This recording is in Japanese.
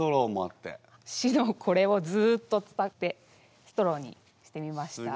史のこれをずっとつたってストローにしてみました。